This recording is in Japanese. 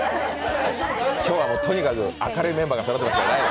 今日はとにかく明るいメンバーがそろっているので大丈夫。